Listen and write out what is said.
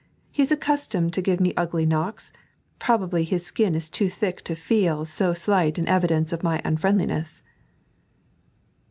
He is accustomed to give me ugly knocks ; probably bis skin is too thick to feel so slight an evideuce of my unfriendlin^s."